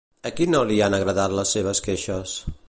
A qui no li han agradat les seves queixes?